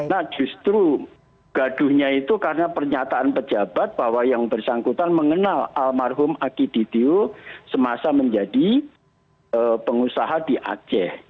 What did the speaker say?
nah justru gaduhnya itu karena pernyataan pejabat bahwa yang bersangkutan mengenal almarhum akidio semasa menjadi pengusaha di aceh